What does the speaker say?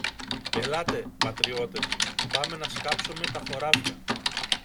Ελάτε, πατριώτες, πάμε να σκάψομε τα χωράφια.